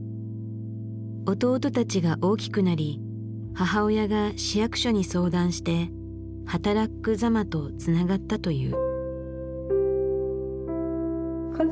弟たちが大きくなり母親が市役所に相談して「はたらっく・ざま」とつながったという。